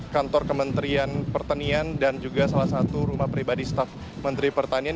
kantor kementerian pertanian dan juga salah satu rumah pribadi staf menteri pertanian